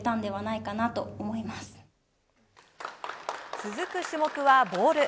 続く種目はボール。